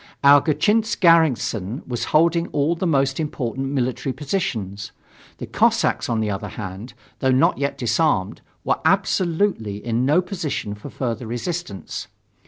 Our Gatchinsk garrison was holding all the most important military positions. The Cossacks, on the other hand, though not yet disarmed, were absolutely in no position for further resistance.